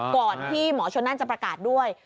ก่อนที่หมอชนนั่นจะประกาศด้วย